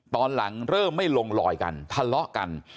ตอนหลังเริ่มไม่ลงลอยกันทะเลาะกัน